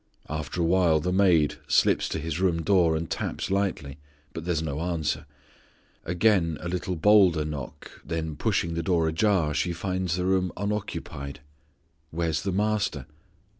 After a while the maid slips to His room door and taps lightly, but there's no answer; again a little bolder knock, then pushing the door ajar she finds the room unoccupied. Where's the Master?